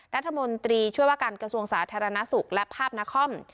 รัฐมนตรีช่วยว่าการกระทรวงสาธารณสุขและภาพนคร